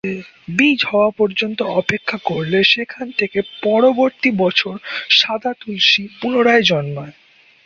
বীজ হওয়া পর্যন্ত অপেক্ষা করলে, সেখান থেকে পরবর্তী বছর সাদা তুলসী পুনরায় জন্মায়।